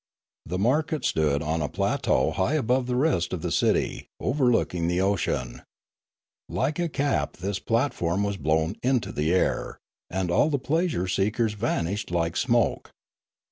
The market stood upon a plateau high above the rest of the city, Leomarie 97 overlooking the ocean. Like a cap this platform was blown into the air, and all the pleasure* seekers vanished like smoke.